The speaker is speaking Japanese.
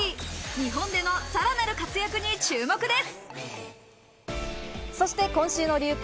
日本でのさらなる活躍に注目です。